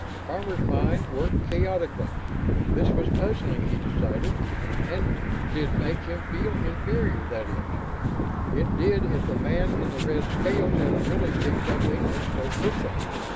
Farmer's mind worked chaotically. This was puzzling, he decided, and did make him feel inferior that is, it did if the man in the red scales had really picked up English so quickly.